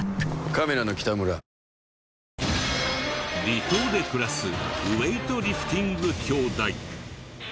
離島で暮らすウエイトリフティングきょうだい。